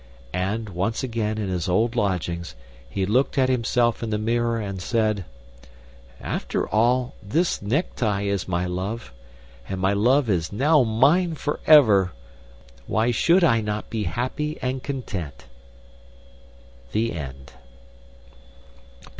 And, once again in his old lodgings, he looked at himself in the mirror and said: "After all, this necktie is my love and my love is now mine forevermore! Why should I not be happy and content?" THE END.